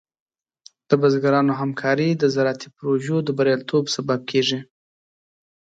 د بزګرانو همکاري د زراعتي پروژو د بریالیتوب سبب کېږي.